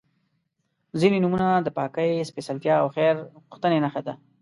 • ځینې نومونه د پاکۍ، سپېڅلتیا او خیر غوښتنې نښه ده.